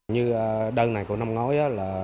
như đơn này của năm ngối